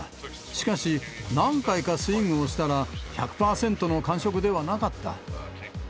しかし、何回かスイングをしたら、１００％の感触ではなかった。